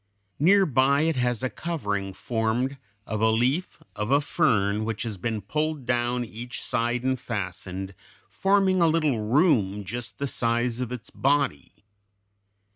Near by it has a covering formed of a leaf of a fern which it has pulled down each side and fastened, forming a little room just the size of its body.